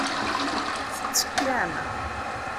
Tettekkam?